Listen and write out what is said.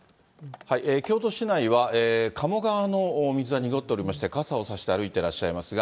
京都市内は、鴨川の水は濁っておりまして、傘を差して歩いてらっしゃいますが。